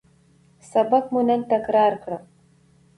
سبق مو نن تکرار کړ